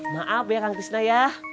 maaf ya kang krisna ya